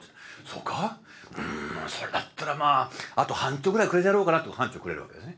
うんそれだったらまああと半丁ぐらいくれてやろうかな」って半丁くれるわけですね。